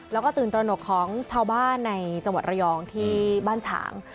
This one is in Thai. แล้วก็ตื่นตระหนกของชาวบ้านในจังหวัดระยองที่บ้านฉาง